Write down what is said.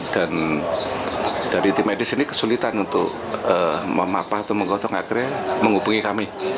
dan dari tim medis ini kesulitan untuk memapah atau mengotong akhirnya menghubungi kami